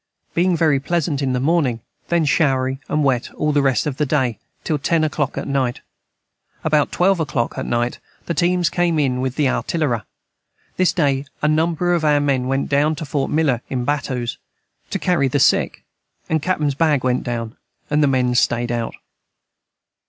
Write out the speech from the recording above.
Being very pleasant in the Morning then showery & wet all the rest of the day til 10 a clock at knight about 12 oclock at night the teams came in with the Artillira this day a number of our men went down to Fort Miller in battoes to carry the sick and Cap.ns Bag went down & the men stayed out.